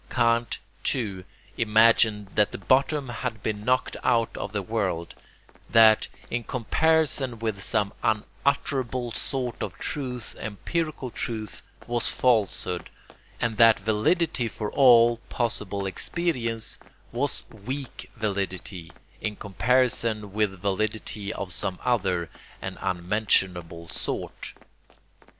Kant, too, imagined that the bottom had been knocked out of the world; that in comparison with some unutterable sort of truth empirical truth was falsehood, and that validity for all possible experience was weak validity, in comparison with validity of some other and unmentionable sort.